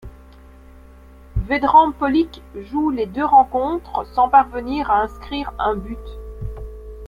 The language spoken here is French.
Vedran Pelic joue les deux rencontres sans parvenir à inscrire un but.